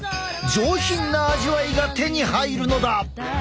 上品な味わいが手に入るのだ！